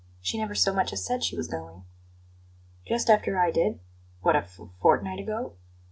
She never so much as said she was going." "Just after I did? What, a f fortnight ago?"